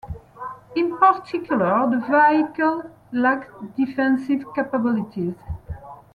In particular, the vehicle lacked defensive capabilities.